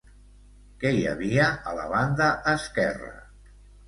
Què hi havia a la banda esquerra?